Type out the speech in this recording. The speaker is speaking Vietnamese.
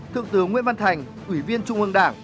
thượng tướng nguyễn văn thành ủy viên trung ương đảng